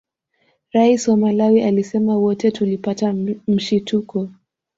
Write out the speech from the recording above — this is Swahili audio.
Rais wa Malawi alisema wote tulipata mshituko